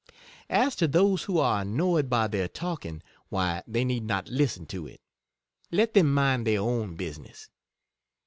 As to those who are annoyed by their talking, why they need not listen to it ; let them mind their own business.